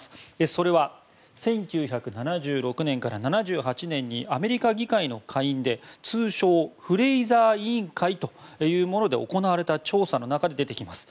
それは１９７６年から７８年にアメリカ議会の下院で通称フレイザー委員会で行われた調査の中で出てきます。